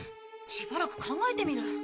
しばらく考えてみる。